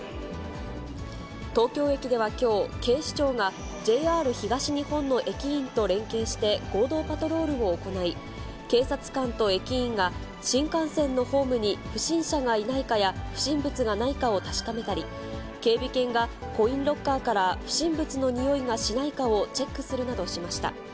東京駅ではきょう、警視庁がＪＲ東日本の駅員と連携して合同パトロールを行い、警察官と駅員が新幹線のホームに不審者がいないかや、不審物がないかを確かめたり、警備犬がコインロッカーから不審物のにおいがしないかをチェックするなどしました。